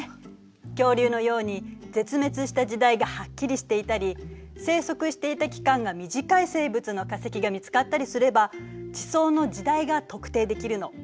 恐竜のように絶滅した時代がはっきりしていたり生息していた期間が短い生物の化石が見つかったりすれば地層の時代が特定できるの。